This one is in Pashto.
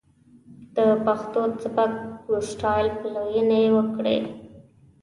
د پښتو سبک و سټايل پليوني وکړي.